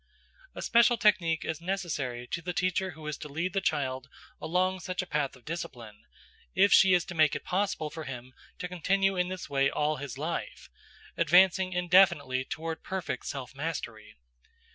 A special technique is necessary to the teacher who is to lead the child along such a path of discipline, if she is to make it possible for him to continue in this way all his life, advancing indefinitely toward perfect self mastery.